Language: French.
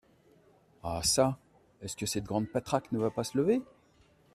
Ah ça ! est-ce que cette grande patraque ne va pas se lever ?